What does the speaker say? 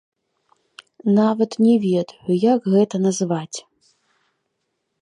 Нават не ведаю, як гэта назваць.